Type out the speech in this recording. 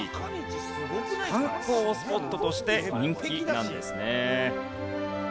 観光スポットとして人気なんですね。